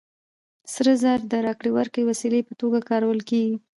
سره زر د راکړې ورکړې د وسیلې په توګه کارول کېږي